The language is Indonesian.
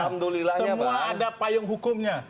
semua ada payung hukumnya